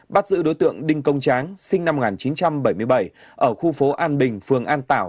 bắt giữ đối tượng đinh công tráng sinh năm một nghìn chín trăm bảy mươi bảy ở khu phố an bình phường an tảo